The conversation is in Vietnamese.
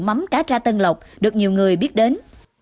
mắm cá tra tân lộc được nhiều người biết đến